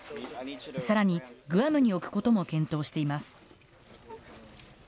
さらに、グアムに置くことも検討しています。